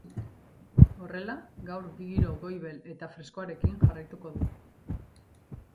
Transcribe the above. Horrela, gaur giro goibel eta freskoarekin jarraituko dugu.